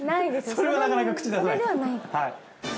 それはなかなか口ださないです